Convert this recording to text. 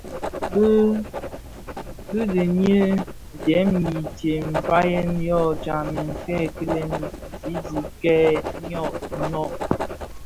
Bë dhini dèm intsem nfayèn yō tsamèn kilè kizizig kè йyō inōk.